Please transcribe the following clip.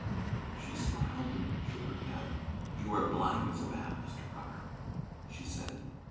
She smiled and shook her head. "You are blind as a bat, Mr. Crocker," she said.